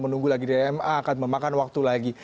menunggu lagi dma akan memakan waktu lagi